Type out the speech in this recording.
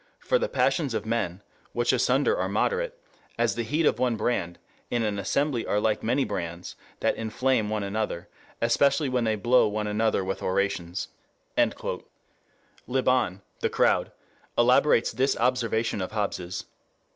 "For the passions of men, which asunder are moderate, as the heat of one brand, in an assembly are like many brands, that inflame one another, especially when they blow one another with orations...." LeBon, The Crowd, elaborates this observation of Hobbes's.